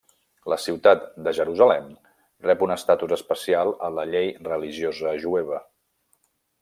La ciutat de Jerusalem rep un estatus especial a la llei religiosa jueva.